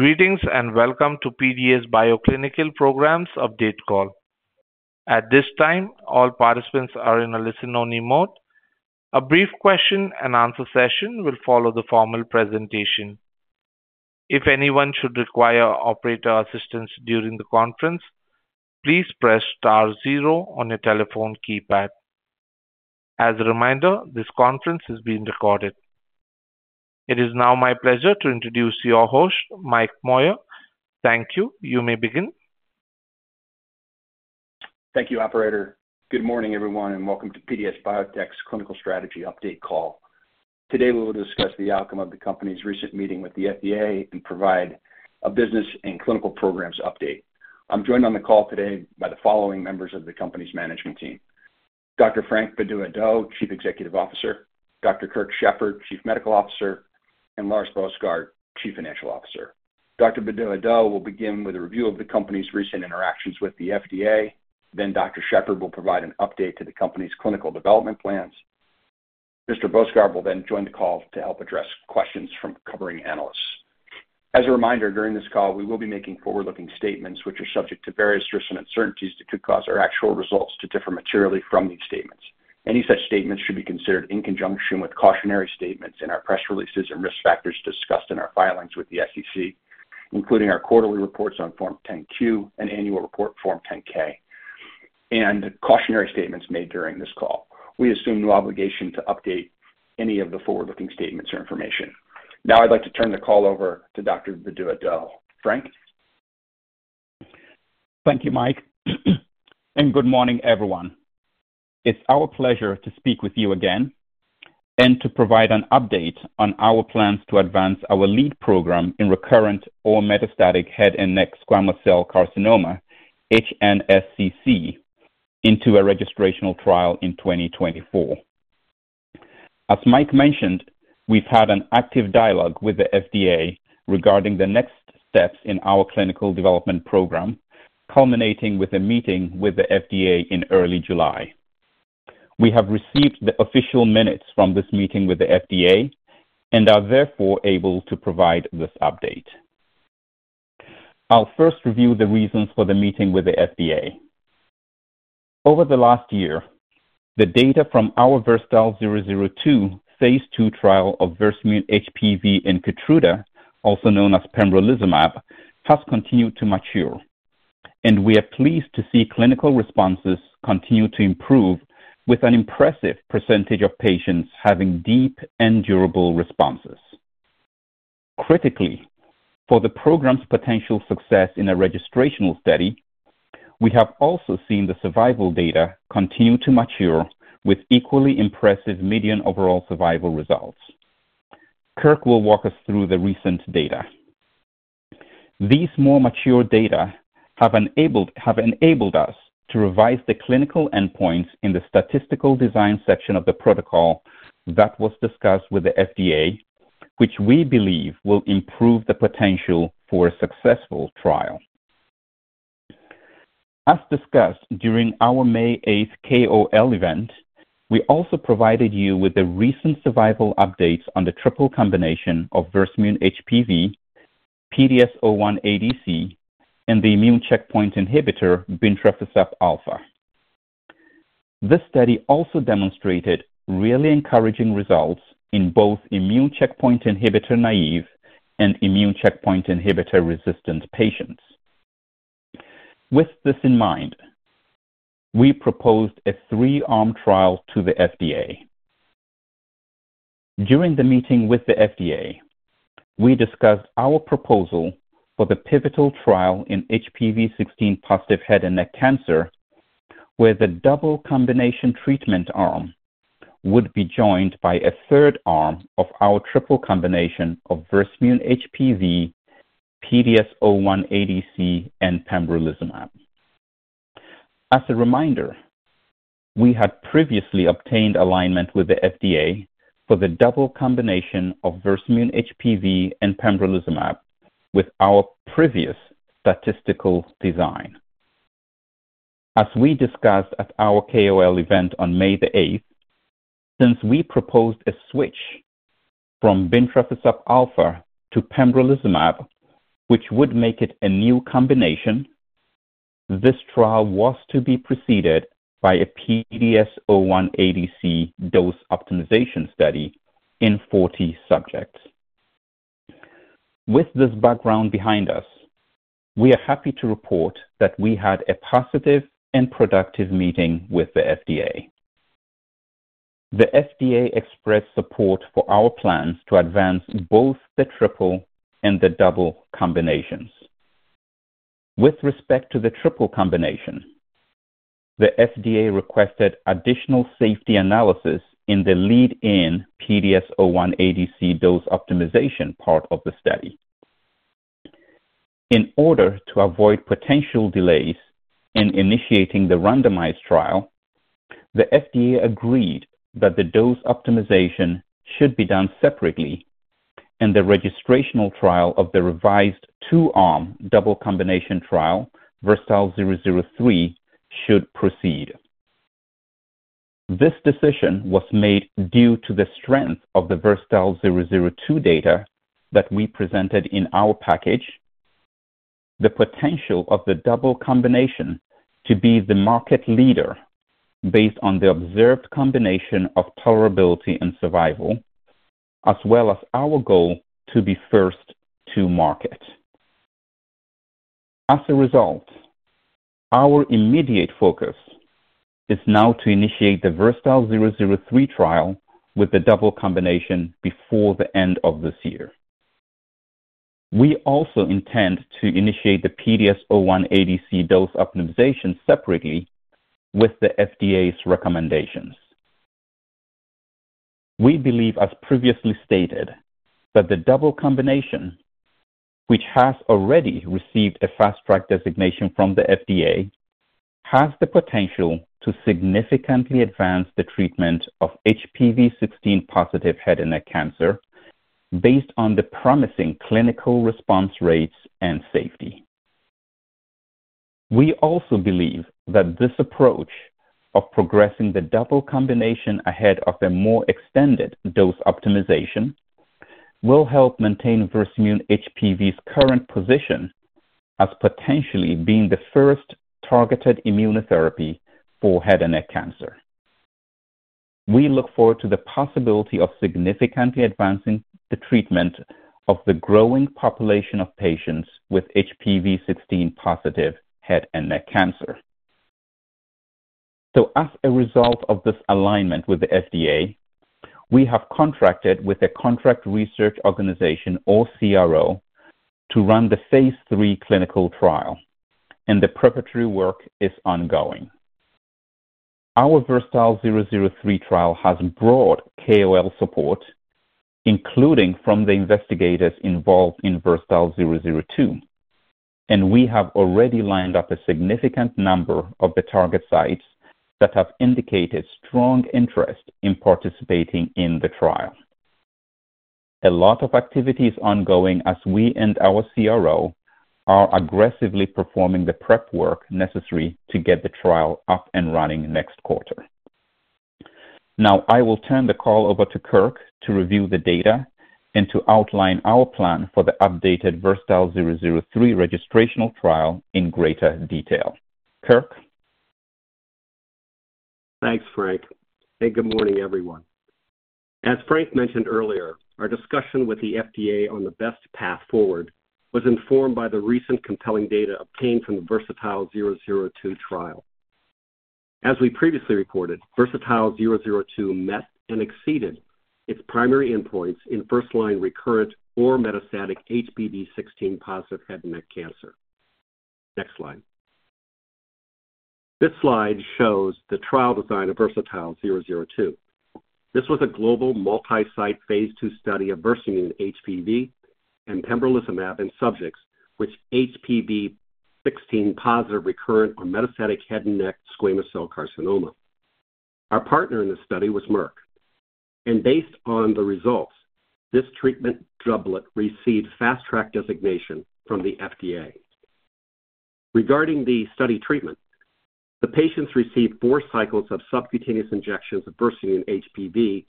Greetings and welcome to PDS Biotechnology Brian Denyeau's update call. At this time, all participants are in a listen-only mode. A brief question-and-answer session will follow the formal presentation. If anyone should require operator assistance during the conference, please press star 0 on your telephone keypad. As a reminder, this conference is being recorded. It is now my pleasure to introduce your host, Mike Moyer. Thank you. You may begin. Thank you, Operator. Good morning, everyone, and welcome to PDS Biotech's Clinical Strategy Update call. Today, we will discuss the outcome of the company's recent meeting with the FDA and provide a business and clinical programs update. I'm joined on the call today by the following members of the company's management team: Dr. Frank Bedu-Addo, Chief Executive Officer; Dr. Kirk Shepard, Chief Medical Officer; and Lars Boesgaard, Chief Financial Officer. Dr. Bedu-Addo will begin with a review of the company's recent interactions with the FDA. Then, Dr. Shepard will provide an update to the company's clinical development plans. Mr. Boesgaard will then join the call to help address questions from covering analysts. As a reminder, during this call, we will be making forward-looking statements which are subject to various risks and uncertainties that could cause our actual results to differ materially from these statements. Any such statements should be considered in conjunction with cautionary statements in our press releases and risk factors discussed in our filings with the SEC, including our quarterly reports on Form 10-Q and annual report Form 10-K, and cautionary statements made during this call. We assume no obligation to update any of the forward-looking statements or information. Now, I'd like to turn the call over to Dr. Bedu-Addo. Frank. Thank you, Mike. Good morning, everyone. It's our pleasure to speak with you again and to provide an update on our plans to advance our lead program in recurrent or metastatic head and neck squamous cell carcinoma, HNSCC, into a registrational trial in 2024. As Mike mentioned, we've had an active dialogue with the FDA regarding the next steps in our clinical development program, culminating with a meeting with the FDA in early July. We have received the official minutes from this meeting with the FDA and are therefore able to provide this update. I'll first review the reasons for the meeting with the FDA. Over the last year, the data from our VERSATILE-002 phase II trial of Versamune HPV in Keytruda, also known as pembrolizumab, has continued to mature, and we are pleased to see clinical responses continue to improve, with an impressive percentage of patients having deep and durable responses. Critically, for the program's potential success in a registrational study, we have also seen the survival data continue to mature with equally impressive median overall survival results. Kirk will walk us through the recent data. These more mature data have enabled us to revise the clinical endpoints in the statistical design section of the protocol that was discussed with the FDA, which we believe will improve the potential for a successful trial. As discussed during our May 8th KOL event, we also provided you with the recent survival updates on the triple combination of Versamune HPV, PDS01ADC, and the immune checkpoint inhibitor, bintrafusp alfa. This study also demonstrated really encouraging results in both immune checkpoint inhibitor naive and immune checkpoint inhibitor resistant patients. With this in mind, we proposed a three-arm trial to the FDA. During the meeting with the FDA, we discussed our proposal for the pivotal trial in HPV16 positive head and neck cancer, where the double combination treatment arm would be joined by a third arm of our triple combination of Versamune HPV, PDS01ADC, and pembrolizumab. As a reminder, we had previously obtained alignment with the FDA for the double combination of Versamune HPV and pembrolizumab with our previous statistical design. As we discussed at our KOL event on May 8th, since we proposed a switch from bintrafusp alfa to pembrolizumab, which would make it a new combination, this trial was to be preceded by a PDS01ADC dose optimization study in 40 subjects. With this background behind us, we are happy to report that we had a positive and productive meeting with the FDA. The FDA expressed support for our plans to advance both the triple and the double combinations. With respect to the triple combination, the FDA requested additional safety analysis in the lead-in PDS01ADC dose optimization part of the study. In order to avoid potential delays in initiating the randomized trial, the FDA agreed that the dose optimization should be done separately, and the registrational trial of the revised two-arm double combination trial, VERSATILE-003, should proceed. This decision was made due to the strength of the VERSATILE-002 data that we presented in our package, the potential of the double combination to be the market leader based on the observed combination of tolerability and survival, as well as our goal to be first to market. As a result, our immediate focus is now to initiate the VERSATILE-003 trial with the double combination before the end of this year. We also intend to initiate the PDS01ADC dose optimization separately with the FDA's recommendations. We believe, as previously stated, that the double combination, which has already received a fast-track designation from the FDA, has the potential to significantly advance the treatment of HPV16 positive head and neck cancer based on the promising clinical response rates and safety. We also believe that this approach of progressing the double combination ahead of the more extended dose optimization will help maintain Versamune HPV's current position as potentially being the first targeted immunotherapy for head and neck cancer. We look forward to the possibility of significantly advancing the treatment of the growing population of patients with HPV16-positive head and neck cancer. So, as a result of this alignment with the FDA, we have contracted with a contract research organization, or CRO, to run the phase III clinical trial, and the preparatory work is ongoing. Our VERSATILE-003 trial has broad KOL support, including from the investigators involved in VERSATILE-002, and we have already lined up a significant number of the target sites that have indicated strong interest in participating in the trial. A lot of activity is ongoing as we and our CRO are aggressively performing the prep work necessary to get the trial up and running next quarter. Now, I will turn the call over to Kirk to review the data and to outline our plan for the updated VERSATILE-003 registrational trial in greater detail. Kirk? Thanks, Frank. Good morning, everyone. As Frank mentioned earlier, our discussion with the FDA on the best path forward was informed by the recent compelling data obtained from the VERSATILE-002 trial. As we previously reported, VERSATILE-002 met and exceeded its primary endpoints in first-line recurrent or metastatic HPV16 positive head and neck cancer. Next slide. This slide shows the trial design of VERSATILE-002. This was a global multi-site phase II study of Versamune HPV and pembrolizumab in subjects with HPV16 positive recurrent or metastatic head and neck squamous cell carcinoma. Our partner in this study was Merck. Based on the results, this treatment doublet received fast-track designation from the FDA. Regarding the study treatment, the patients received four cycles of subcutaneous injections of Versamune HPV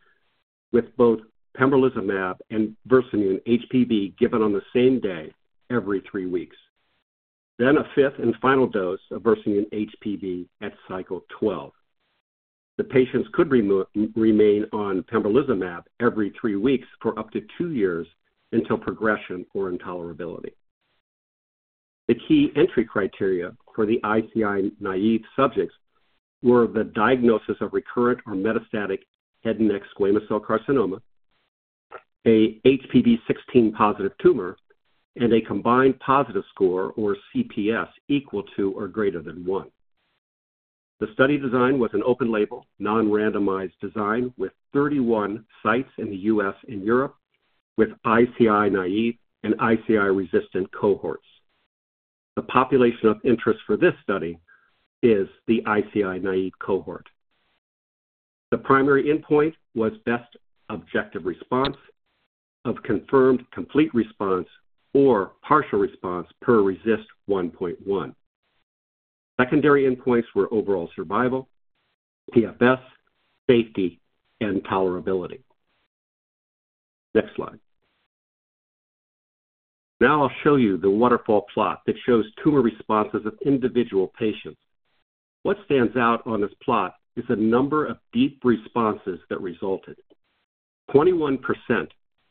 with both pembrolizumab and Versamune HPV given on the same day every three weeks, then a fifth and final dose of Versamune HPV at cycle 12. The patients could remain on pembrolizumab every three weeks for up to two years until progression or intolerability. The key entry criteria for the ICI naive subjects were the diagnosis of recurrent or metastatic head and neck squamous cell carcinoma, an HPV16 positive tumor, and a Combined Positive Score, or CPS, equal to or greater than one. The study design was an open-label, non-randomized design with 31 sites in the U.S. and Europe with ICI naive and ICI resistant cohorts. The population of interest for this study is the ICI naive cohort. The primary endpoint was best objective response of confirmed complete response or partial response per RECIST 1.1. Secondary endpoints were overall survival, PFS, safety, and tolerability. Next slide. Now, I'll show you the waterfall plot that shows tumor responses of individual patients. What stands out on this plot is the number of deep responses that resulted. 21%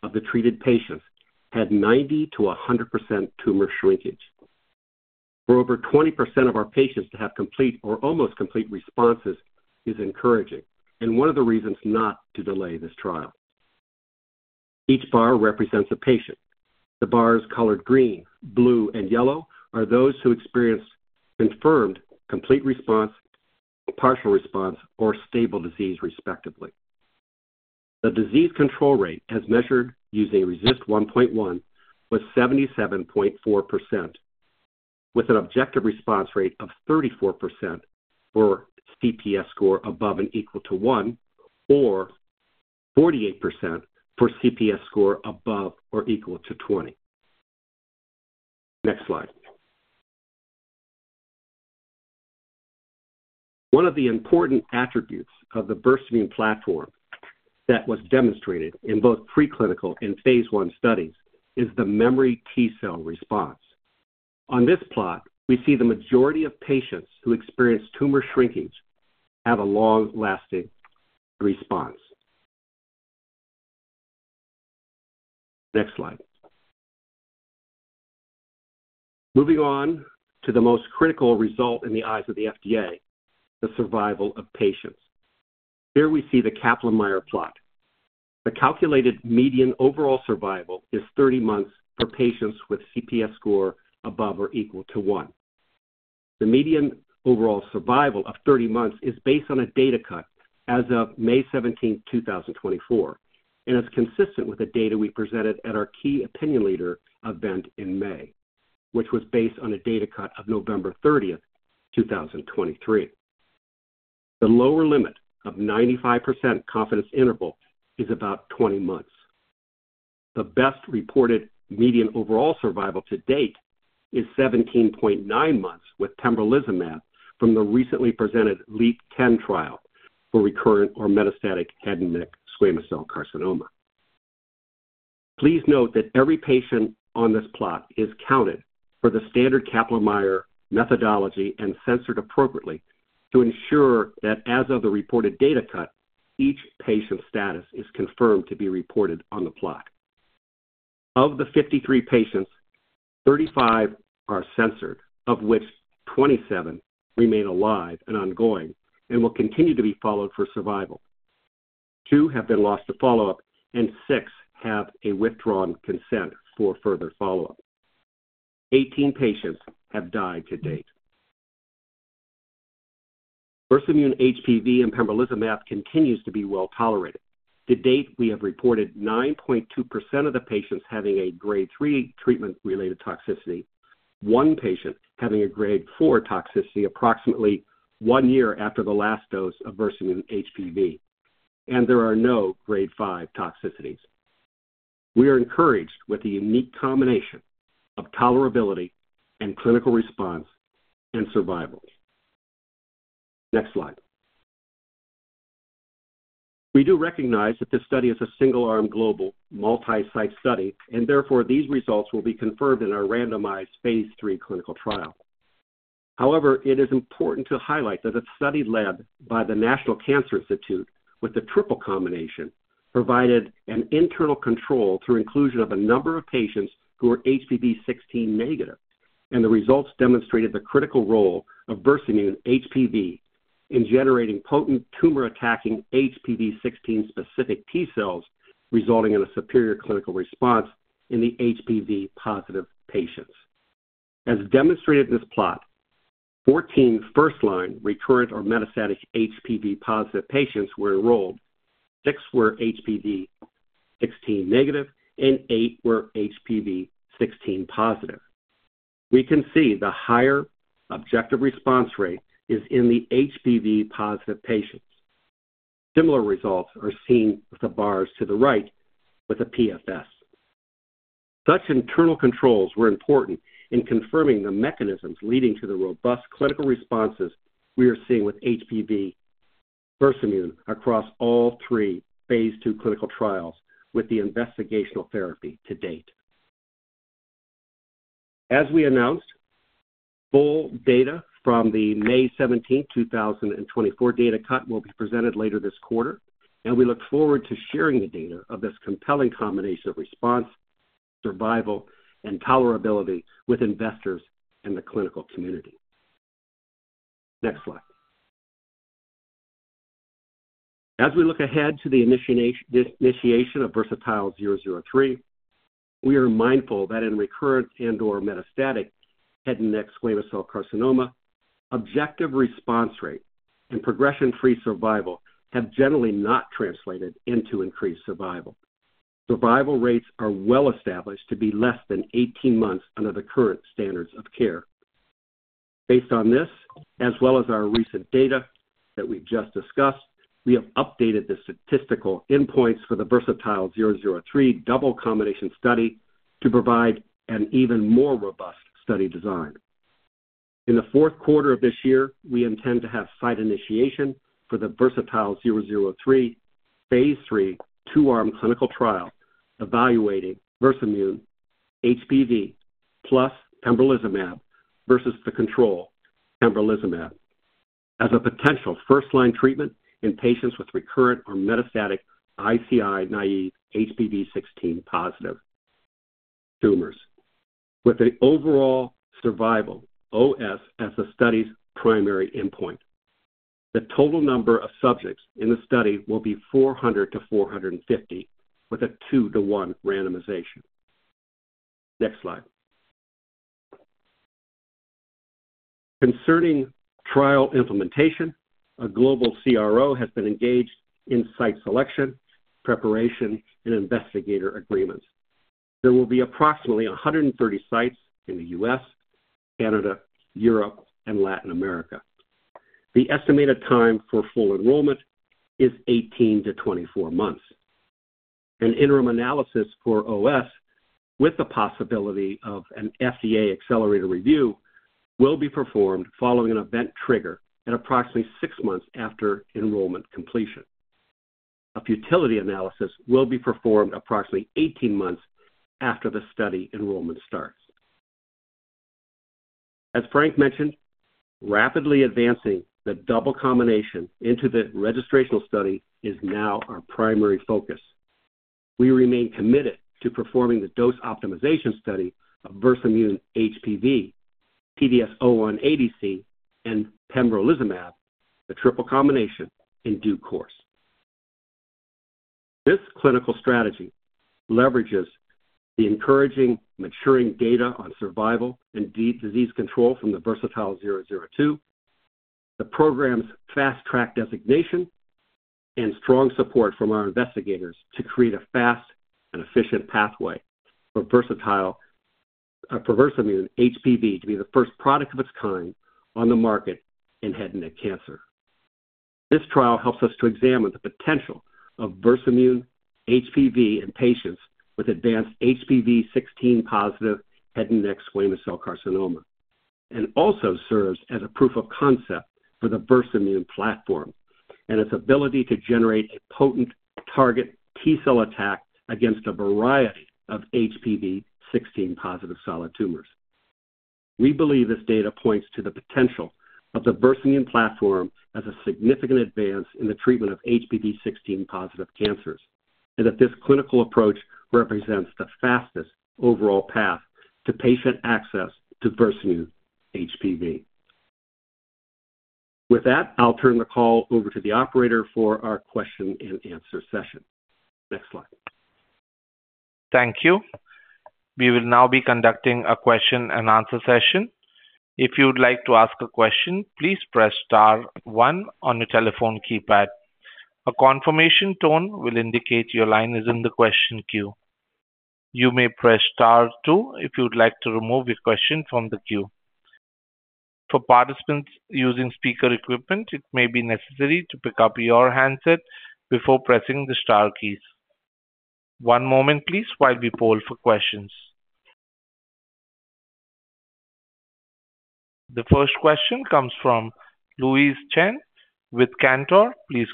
of the treated patients had 90%-100% tumor shrinkage. For over 20% of our patients to have complete or almost complete responses is encouraging, and one of the reasons not to delay this trial. Each bar represents a patient. The bars colored green, blue, and yellow are those who experienced confirmed complete response, partial response, or stable disease, respectively. The disease control rate as measured using RECIST 1.1 was 77.4%, with an objective response rate of 34% for CPS score above and equal to one, or 48% for CPS score above or equal to 20. Next slide. One of the important attributes of the Versamune platform that was demonstrated in both preclinical and phase I studies is the memory T cell response. On this plot, we see the majority of patients who experience tumor shrinkage have a long-lasting response. Next slide. Moving on to the most critical result in the eyes of the FDA, the survival of patients. Here we see the Kaplan-Meier plot. The calculated median overall survival is 30 months for patients with CPS score above or equal to one. The median overall survival of 30 months is based on a data cut as of May 17, 2024, and it's consistent with the data we presented at our key opinion leader event in May, which was based on a data cut of November 30, 2023. The lower limit of 95% confidence interval is about 20 months. The best reported median overall survival to date is 17.9 months with pembrolizumab from the recently presented LEAP-010 trial for recurrent or metastatic head and neck squamous cell carcinoma. Please note that every patient on this plot is counted for the standard Kaplan-Meier methodology and censored appropriately to ensure that as of the reported data cut, each patient's status is confirmed to be reported on the plot. Of the 53 patients, 35 are censored, of which 27 remain alive and ongoing and will continue to be followed for survival. Two have been lost to follow-up, and six have a withdrawn consent for further follow-up. 18 patients have died to date. Versamune HPV and pembrolizumab continues to be well tolerated. To date, we have reported 9.2% of the patients having a Grade 3 treatment-related toxicity, one patient having a Grade 4 toxicity approximately one year after the last dose of Versamune HPV, and there are no Grade 5 toxicities. We are encouraged with the unique combination of tolerability and clinical response and survival. Next slide. We do recognize that this study is a single-arm global multi-site study, and therefore these results will be confirmed in our randomized phase III clinical trial. However, it is important to highlight that the study led by the National Cancer Institute with the triple combination provided an internal control through inclusion of a number of patients who are HPV16 negative, and the results demonstrated the critical role of Versamune HPV in generating potent tumor-attacking HPV16-specific T cells, resulting in a superior clinical response in the HPV-positive patients. As demonstrated in this plot, 14 first-line recurrent or metastatic HPV-positive patients were enrolled. Six were HPV16 negative, and eight were HPV16 positive. We can see the higher objective response rate is in the HPV-positive patients. Similar results are seen with the bars to the right with the PFS. Such internal controls were important in confirming the mechanisms leading to the robust clinical responses we are seeing with HPV versus immune across all three phase II clinical trials with the investigational therapy to date. As we announced, full data from the May 17, 2024 data cut will be presented later this quarter, and we look forward to sharing the data of this compelling combination of response, survival, and tolerability with investors and the clinical community. Next slide. As we look ahead to the initiation of VERSATILE-003, we are mindful that in recurrent and/or metastatic head and neck squamous cell carcinoma, objective response rate and progression-free survival have generally not translated into increased survival. Survival rates are well established to be less than 18 months under the current standards of care. Based on this, as well as our recent data that we've just discussed, we have updated the statistical endpoints for the VERSATILE-003 double combination study to provide an even more robust study design. In the fourth quarter of this year, we intend to have site initiation for the VERSATILE-003 phase III two-arm clinical trial evaluating Versamune HPV plus pembrolizumab versus the control pembrolizumab as a potential first-line treatment in patients with recurrent or metastatic ICI naive HPV16 positive tumors, with an overall survival OS as the study's primary endpoint. The total number of subjects in the study will be 400-450, with a 2-to-1 randomization. Next slide. Concerning trial implementation, a global CRO has been engaged in site selection, preparation, and investigator agreements. There will be approximately 130 sites in the U.S., Canada, Europe, and Latin America. The estimated time for full enrollment is 18-24 months. An interim analysis for OS, with the possibility of an FDA accelerated review, will be performed following an event trigger at approximately 6 months after enrollment completion. A futility analysis will be performed approximately 18 months after the study enrollment starts. As Frank mentioned, rapidly advancing the double combination into the registrational study is now our primary focus. We remain committed to performing the dose optimization study of Versamune HPV, PDS01ADC, and pembrolizumab, the triple combination, in due course. This clinical strategy leverages the encouraging, maturing data on survival and disease control from the VERSATILE-002, the program's Fast Track designation, and strong support from our investigators to create a fast and efficient pathway for Versamune HPV to be the first product of its kind on the market in head and neck cancer. This trial helps us to examine the potential of Versamune HPV in patients with advanced HPV16 positive head and neck squamous cell carcinoma and also serves as a proof of concept for the Versamune platform and its ability to generate a potent target T cell attack against a variety of HPV16 positive solid tumors. We believe this data points to the potential of the Versamune platform as a significant advance in the treatment of HPV16 positive cancers and that this clinical approach represents the fastest overall path to patient access to Versamune HPV. With that, I'll turn the call over to the operator for our question-and-answer session. Next slide. Thank you. We will now be conducting a question-and-answer session. If you would like to ask a question, please press star one on your telephone keypad. A confirmation tone will indicate your line is in the question queue. You may press star two if you'd like to remove your question from the queue. For participants using speaker equipment, it may be necessary to pick up your handset before pressing the star keys. One moment, please, while we poll for questions. The first question comes from Louise Chen with Cantor. Please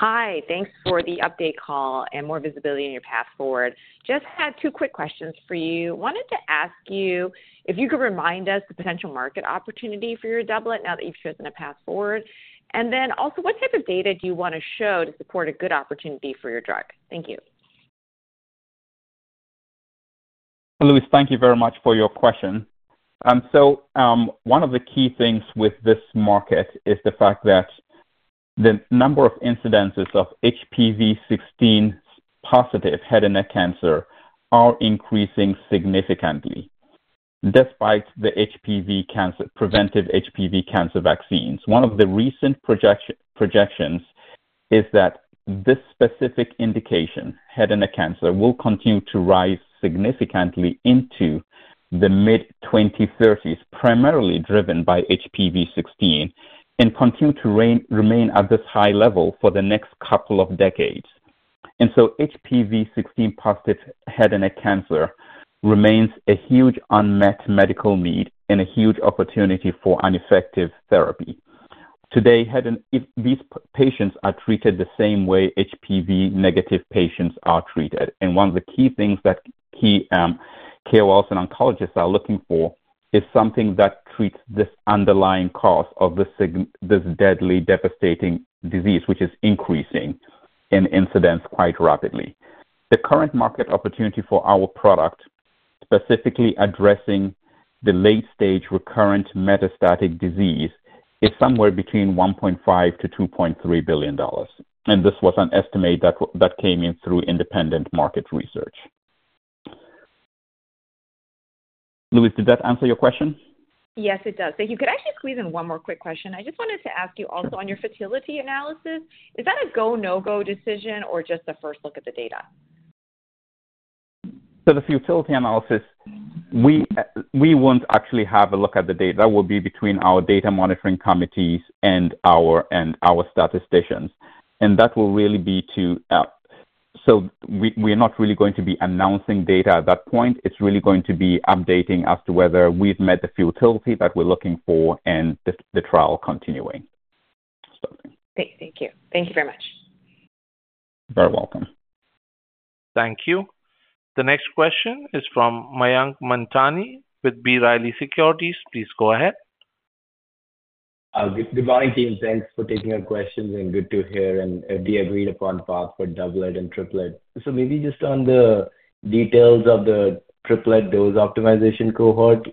go ahead. Hi. Thanks for the update call and more visibility in your path forward. Just had two quick questions for you. Wanted to ask you if you could remind us the potential market opportunity for your doublet now that you've chosen a path forward. And then also, what type of data do you want to show to support a good opportunity for your drug? Thank you. Louise, thank you very much for your question. So one of the key things with this market is the fact that the number of incidences of HPV16 positive head and neck cancer are increasing significantly despite the preventive HPV cancer vaccines. One of the recent projections is that this specific indication, head and neck cancer, will continue to rise significantly into the mid-2030s, primarily driven by HPV16, and continue to remain at this high level for the next couple of decades. And so HPV16 positive head and neck cancer remains a huge unmet medical need and a huge opportunity for an effective therapy. Today, these patients are treated the same way HPV-negative patients are treated. One of the key things that healthcare professionals and oncologists are looking for is something that treats this underlying cause of this deadly, devastating disease, which is increasing in incidence quite rapidly. The current market opportunity for our product, specifically addressing the late-stage recurrent metastatic disease, is somewhere between $1.5-$2.3 billion. This was an estimate that came in through independent market research. Louise, did that answer your question? Yes, it does. Thank you. Could I actually squeeze in one more quick question? I just wanted to ask you also on your futility analysis, is that a go, no-go decision or just a first look at the data? The futility analysis, we won't actually have a look at the data. That will be between our data monitoring committees and our statisticians. And that will really be to—so we're not really going to be announcing data at that point. It's really going to be updating as to whether we've met the futility that we're looking for and the trial continuing. Thank you. Thank you very much. You're welcome. Thank you. The next question is from Mayank Mamtani with B. Riley Securities. Please go ahead. Entire team, thanks for taking our questions. And good to hear. And a pre-agreed-upon path for doublet and triplet. So maybe just on the details of the triplet dose optimization cohort,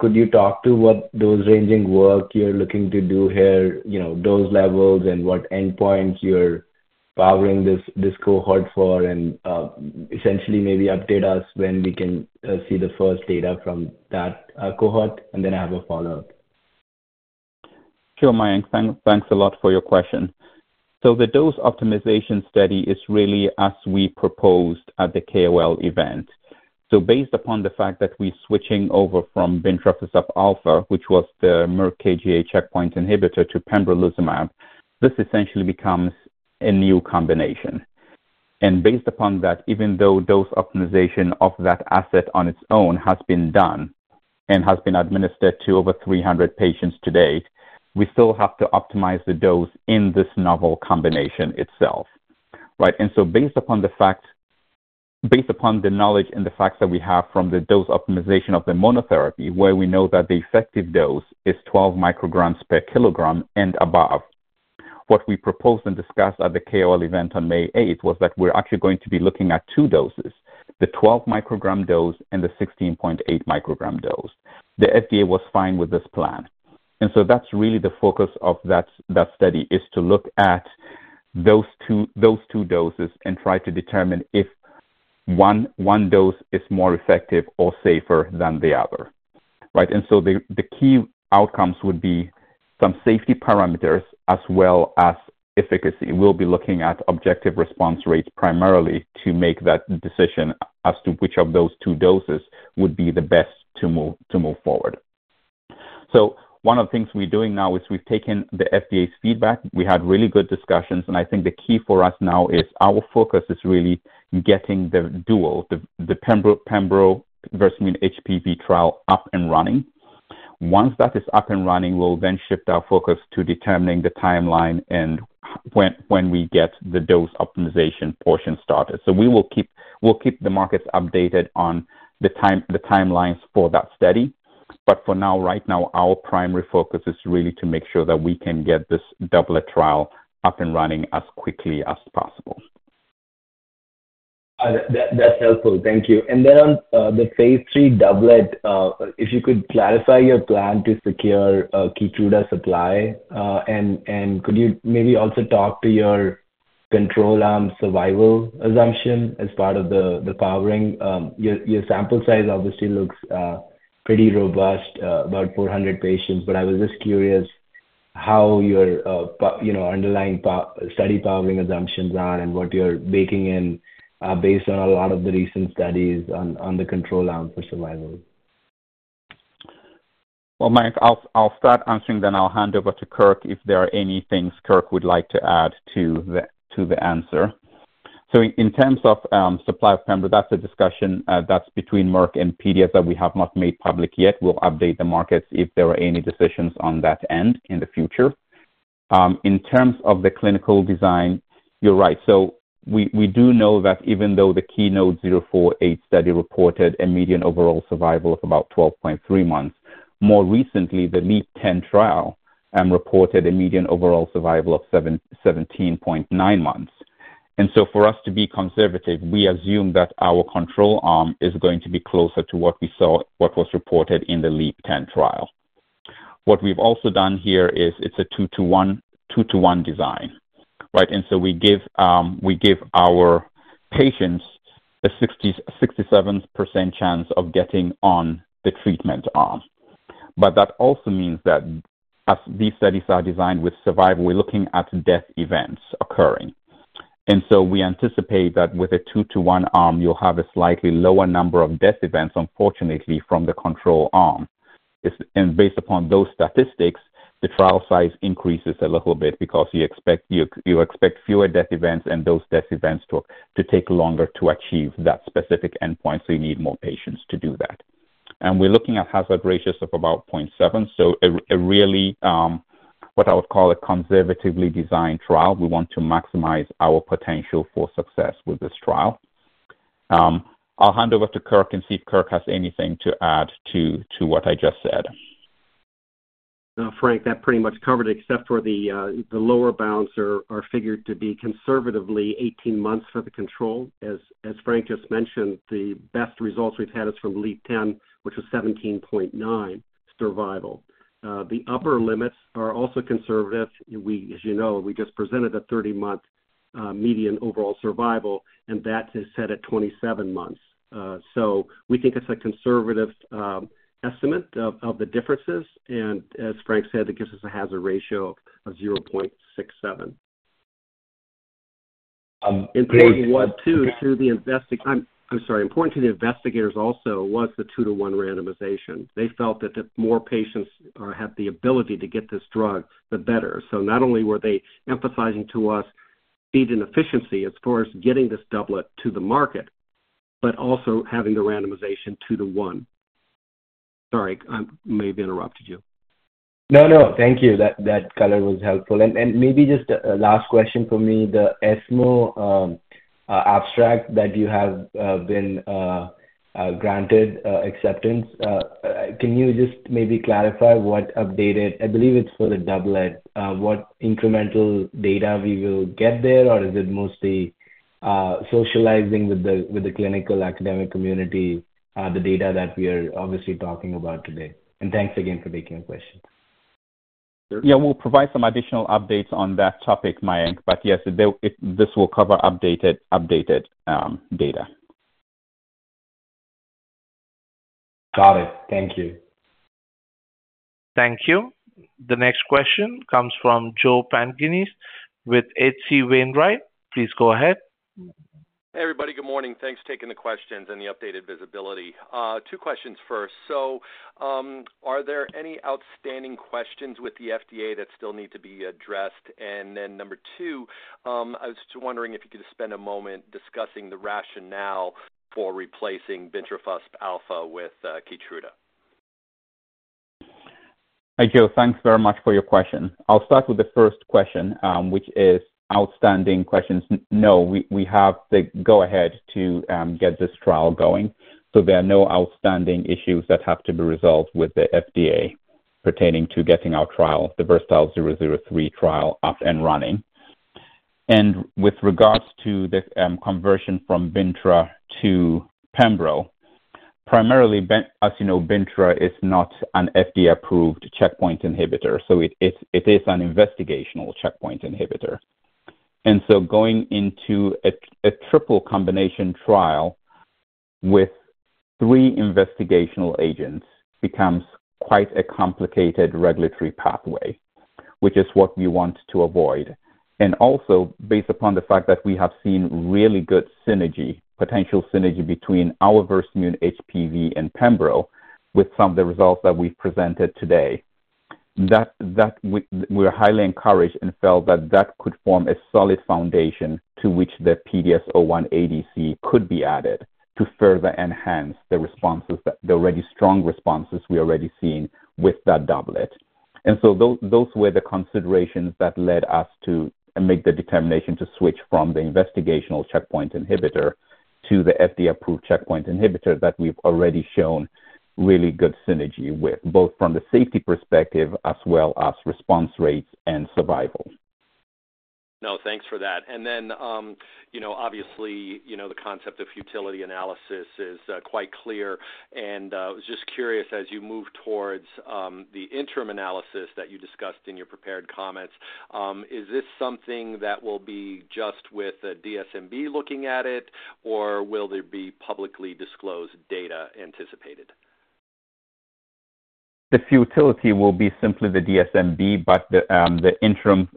could you talk to what dose ranging work you're looking to do here, dose levels, and what endpoints you're powering this cohort for? And essentially, maybe update us when we can see the first data from that cohort, and then I have a follow-up. Sure, Mayank. Thanks a lot for your question. So the dose optimization study is really as we proposed at the KOL event. So based upon the fact that we're switching over from bintrafusp alfa, which was the Merck KGaA checkpoint inhibitor, to pembrolizumab, this essentially becomes a new combination. And based upon that, even though dose optimization of that asset on its own has been done and has been administered to over 300 patients to date, we still have to optimize the dose in this novel combination itself. Right? And so based upon the knowledge and the facts that we have from the dose optimization of the monotherapy, where we know that the effective dose is 12 micrograms per kg and above, what we proposed and discussed at the KOL event on May 8th was that we're actually going to be looking at two doses: the 12 microgram dose and the 16.8 microgram dose. The FDA was fine with this plan. So that's really the focus of that study, is to look at those two doses and try to determine if one dose is more effective or safer than the other. Right? So the key outcomes would be some safety parameters as well as efficacy. We'll be looking at objective response rates primarily to make that decision as to which of those two doses would be the best to move forward. So one of the things we're doing now is we've taken the FDA's feedback. We had really good discussions. I think the key for us now is our focus is really getting the dual, the pembro-Versamune HPV trial, up and running. Once that is up and running, we'll then shift our focus to determining the timeline and when we get the dose optimization portion started. So we'll keep the markets updated on the timelines for that study. But for now, right now, our primary focus is really to make sure that we can get this doublet trial up and running as quickly as possible. That's helpful. Thank you. And then on the phase III doublet, if you could clarify your plan to secure Keytruda supply. And could you maybe also talk to your control arm survival assumption as part of the powering? Your sample size obviously looks pretty robust, about 400 patients. But I was just curious how your underlying study powering assumptions are and what you're baking in based on a lot of the recent studies on the control arm for survival. Well, Mayank, I'll start answering then. I'll hand over to Kirk if there are any things Kirk would like to add to the answer. So in terms of supply of pembrolizumab, that's a discussion that's between Merck and PDS that we have not made public yet. We'll update the markets if there are any decisions on that end in the future. In terms of the clinical design, you're right. So we do know that even though the KEYNOTE-048 study reported a median overall survival of about 12.3 months, more recently, the LEAP-010 trial reported a median overall survival of 17.9 months. And so for us to be conservative, we assume that our control arm is going to be closer to what we saw, what was reported in the LEAP-010 trial. What we've also done here is it's a 2-to-1 design. Right? And so we give our patients a 67% chance of getting on the treatment arm. But that also means that as these studies are designed with survival, we're looking at death events occurring. And so we anticipate that with a 2-to-1 arm, you'll have a slightly lower number of death events, unfortunately, from the control arm. And based upon those statistics, the trial size increases a little bit because you expect fewer death events and those death events to take longer to achieve that specific endpoint. So you need more patients to do that. And we're looking at hazard ratios of about 0.7. So a really, what I would call a conservatively designed trial. We want to maximize our potential for success with this trial. I'll hand over to Kirk and see if Kirk has anything to add to what I just said. Frank, that pretty much covered it except for the lower bounds are figured to be conservatively 18 months for the control. As Frank just mentioned, the best results we've had is from LEAP-010, which was 17.9 survival. The upper limits are also conservative. As you know, we just presented a 30-month median overall survival, and that is set at 27 months. So we think it's a conservative estimate of the differences. And as Frank said, it gives us a hazard ratio of 0.67. Important to the investigator I'm sorry. Important to the investigators also was the 2-to-1 randomization. They felt that the more patients had the ability to get this drug, the better. So not only were they emphasizing to us speed and efficiency as far as getting this doublet to the market, but also having the randomization 2-to-1. Sorry, I may have interrupted you. No, no. Thank you. That was helpful. And maybe just a last question for me. The ESMO abstract that you have been granted acceptance, can you just maybe clarify what updated—I believe it's for the doublet—what incremental data we will get there, or is it mostly socializing with the clinical academic community the data that we are obviously talking about today? And thanks again for taking your question. Yeah, we'll provide some additional updates on that topic, Mayank. But yes, this will cover updated data. Got it. Thank you. Thank you. The next question comes from Joe Pantginis with H.C. Wainwright. Please go ahead. Hey, everybody. Good morning. Thanks for taking the questions and the updated visibility. Two questions first. So are there any outstanding questions with the FDA that still need to be addressed? And then number two, I was just wondering if you could spend a moment discussing the rationale for replacing bintrafusp alfa with Keytruda. Thank you. Thanks very much for your question. I'll start with the first question, which is outstanding questions. No, we have the go-ahead to get this trial going. So there are no outstanding issues that have to be resolved with the FDA pertaining to getting our trial, the VERSATILE-003 trial, up and running. And with regards to the conversion from Bintra to Pembro, primarily, as you know, Bintra is not an FDA-approved checkpoint inhibitor. So it is an investigational checkpoint inhibitor. And so going into a triple combination trial with three investigational agents becomes quite a complicated regulatory pathway, which is what we want to avoid. And also, based upon the fact that we have seen really good synergy, potential synergy between our Versamune HPV and Pembro with some of the results that we've presented today, we're highly encouraged and felt that that could form a solid foundation to which the PDS01ADC could be added to further enhance the responses, the already strong responses we are already seeing with that doublet. And so those were the considerations that led us to make the determination to switch from the investigational checkpoint inhibitor to the FDA-approved checkpoint inhibitor that we've already shown really good synergy with, both from the safety perspective as well as response rates and survival. No, thanks for that. And then, obviously, the concept of futility analysis is quite clear. I was just curious, as you move towards the interim analysis that you discussed in your prepared comments, is this something that will be just with the DSMB looking at it, or will there be publicly disclosed data anticipated? The futility will be simply the DSMB, but the interim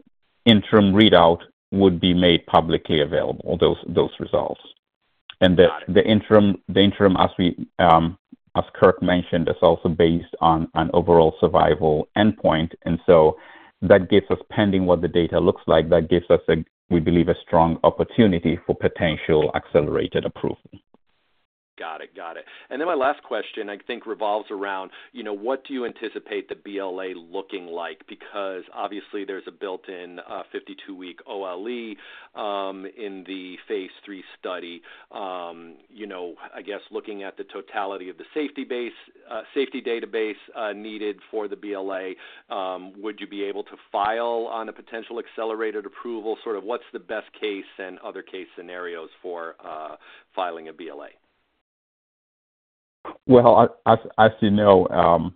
readout would be made publicly available, those results. The interim, as Kirk mentioned, is also based on an overall survival endpoint. So that gives us, pending what the data looks like, that gives us, we believe, a strong opportunity for potential accelerated approval. Got it. Got it. Then my last question, I think, revolves around what do you anticipate the BLA looking like? Because obviously, there's a built-in 52-week OLE in the phase III study. I guess looking at the totality of the safety database needed for the BLA, would you be able to file on a potential accelerated approval? Sort of what's the best case and other case scenarios for filing a BLA? Well, as you know,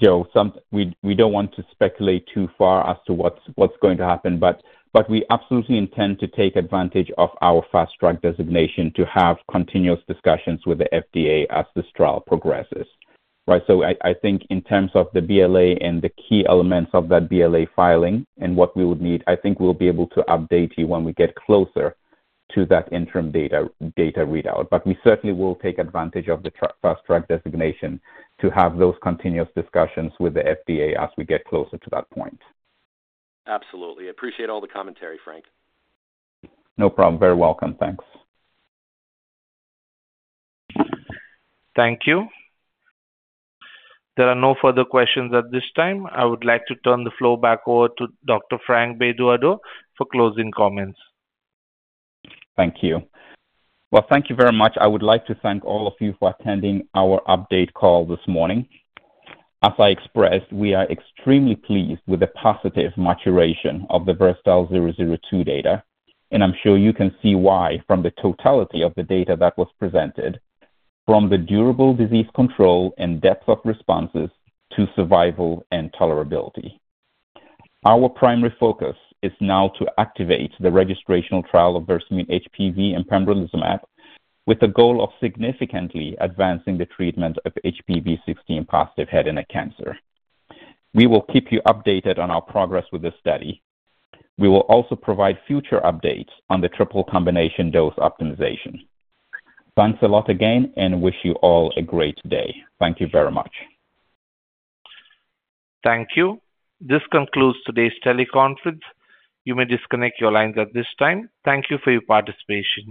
we don't want to speculate too far as to what's going to happen. But we absolutely intend to take advantage of our Fast Track designation to have continuous discussions with the FDA as this trial progresses. Right? So I think in terms of the BLA and the key elements of that BLA filing and what we would need, I think we'll be able to update you when we get closer to that interim data readout. But we certainly will take advantage of the Fast Track designation to have those continuous discussions with the FDA as we get closer to that point. Absolutely. Appreciate all the commentary, Frank. No problem. Very welcome. Thanks. Thank you. There are no further questions at this time. I would like to turn the floor back over to Dr. Frank Bedu-Addo for closing comments. Thank you. Well, thank you very much. I would like to thank all of you for attending our update call this morning. As I expressed, we are extremely pleased with the positive maturation of the VERSATILE-002 data. And I'm sure you can see why from the totality of the data that was presented, from the durable disease control and depth of responses to survival and tolerability. Our primary focus is now to activate the registrational trial of Versamune HPV and pembrolizumab with the goal of significantly advancing the treatment of HPV16 positive head and neck cancer. We will keep you updated on our progress with this study. We will also provide future updates on the triple combination dose optimization. Thanks a lot again, and wish you all a great day. Thank you very much. Thank you. This concludes today's teleconference. You may disconnect your lines at this time. Thank you for your participation.